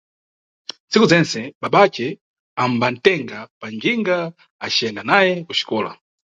Ntsiku zentse, babace ambanʼtenga panjinga aciyenda naye kuxikola.